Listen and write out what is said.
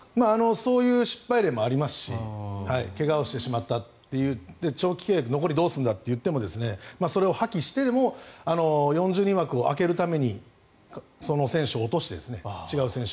そういう失敗例もありますし怪我をしてしまったといって長期契約残りどうするんだといってそれを破棄しても４０人枠を空けるためにその選手を落として違う選手。